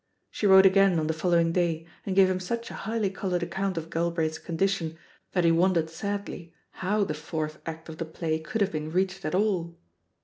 She wrote again on the following day and gave him such a highly coloured account of Gal braith's condition that he wondered sadly how the fourth act of the play could have been reached at all.